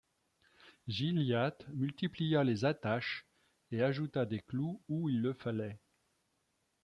Gilliatt multiplia les attaches, et ajouta des clous où il le fallait.